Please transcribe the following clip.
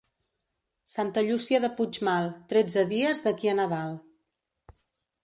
Santa Llúcia de Puigmal, tretze dies d'aquí a Nadal.